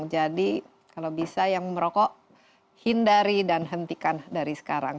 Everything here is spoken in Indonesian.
jadi kalau bisa yang merokok hindari dan hentikan dari sekarang